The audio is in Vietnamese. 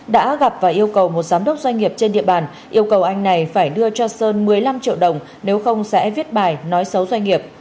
đã gặp và yêu cầu một giám đốc doanh nghiệp trên địa bàn yêu cầu anh này phải đưa cho sơn một mươi năm triệu đồng nếu không sẽ viết bài nói xấu doanh nghiệp